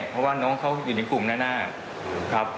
เพราะว่าน้องเขาอยู่ในกลุ่มแน่ครับ